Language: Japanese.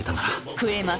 食えます！